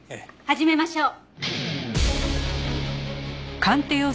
始めましょう。